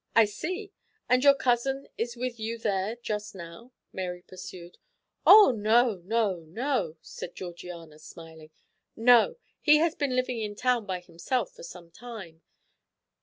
"I see; and your cousin is with you there just now?" Mary pursued. "Oh, no, no, no," said Georgiana, smiling, "no, he has been living in town by himself for some time.